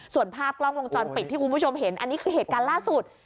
ส่วนภาพกล้องวงจรปิดที่คุณผู้ชมเห็นอันนี้คือเหตุการณ์ล่าสุด